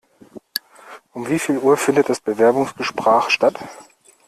Um wie viel Uhr findet das Bewerbungsgesprach statt?